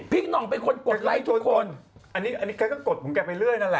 พี่นองไปคนกดไลค์ทุกคนอันนี้อันนี้เขาก็กดผมแกไปเรื่อยน่าล่ะ